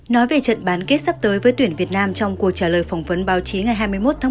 nói về trận bán kết sắp tới với tuyển việt nam trong cuộc trả lời phỏng vấn báo chí ngày hai mươi một tháng một mươi